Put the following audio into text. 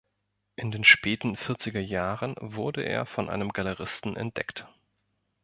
In den späten vierziger Jahren wurde er von einem Galeristen entdeckt.